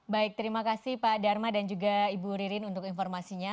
baik terima kasih pak dharma dan juga ibu ririn untuk informasinya